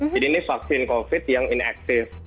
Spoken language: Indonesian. jadi ini vaksin covid yang inaktif